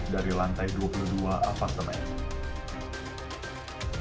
dari lantai dua puluh dua apartemen